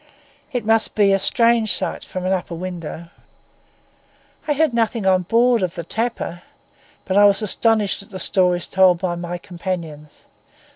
It must be a strange sight from an upper window. I heard nothing on board of the tapper; but I was astonished at the stories told by my companions.